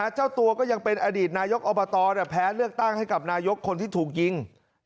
เจ้าตัวก็ยังเป็นอดีตนายกอบตแพ้เลือกตั้งให้กับนายกคนที่ถูกยิง